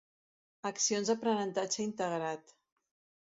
Accions d'aprenentatge integrat.